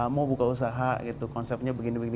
mau buka usaha gitu konsepnya begini begini